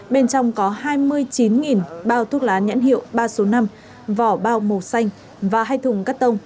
bên trong có hai mươi chín bao thuốc lá nhãn hiệu ba số năm vỏ bao màu xanh và hai thùng cắt tông